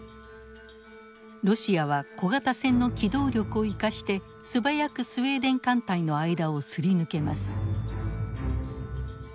ロシアは小型船の機動力を生かして素早くスウェーデン艦隊の間をすり抜けます。